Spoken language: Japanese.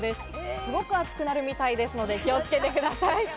すごく暑くなるみたいですので気をつけてください。